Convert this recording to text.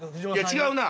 違うな。